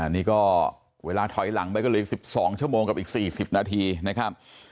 นี่ก็เวลาถอยหลังไปก็เลย๑๒ชั่วโมงกับอีก๔๐นาทีนะครับ